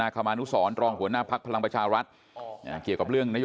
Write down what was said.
ก้าวไกล